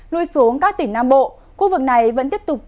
lui xuống các tỉnh nam bộ khu vực này vẫn tiếp tục